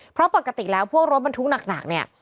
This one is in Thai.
เพราะปกติแล้วพวกรถบรรทุกหนักเนี่ย